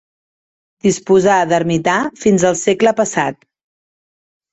Disposà d'ermità fins al segle passat.